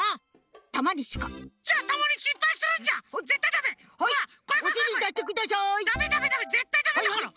ダメダメダメぜったいダメだから！